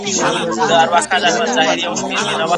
د پښتو د ږ، ړ، ڼ، ښ، ځ، څ حروفو سم تلفظ وکړئ